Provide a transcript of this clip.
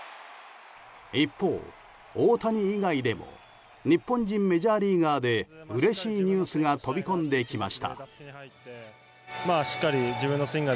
一方、大谷以外でも日本人メジャーリーガーでうれしいニュースが飛び込んできました。